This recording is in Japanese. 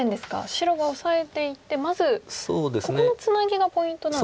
白がオサえていってまずここのツナギがポイントなんですね。